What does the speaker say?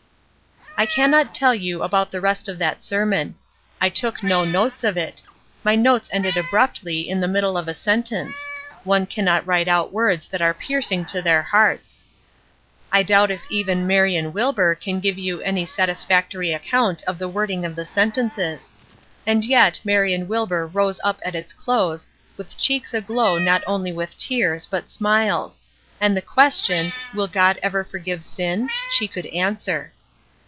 I cannot tell you about the rest of that sermon. I took no notes of it; my notes ended abruptly in the middle of a sentence; one cannot write out words that are piercing to their hearts. I doubt if even Marion Wilbur can give you any satisfactory account of the wording of the sentences. And yet Marion Wilbur rose up at its close, with cheeks aglow not only with tears, but smiles; and the question, "Will God ever forgive sin?" she could answer.